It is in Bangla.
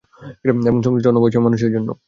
এবং, সংশ্লিষ্ট অন্য বয়সের মানুষেরও জন্য!